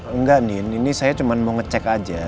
enggak nih ini saya cuma mau ngecek aja